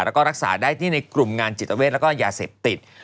แล้วก็รักษาได้ที่ในกลุ่มงานจิตเวทแล้วก็ยาเสพติด